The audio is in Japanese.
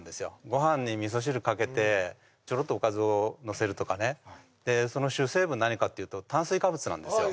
ご飯に味噌汁かけてちょろっとおかずをのせるとかねでその主成分何かっていうと炭水化物なんですよ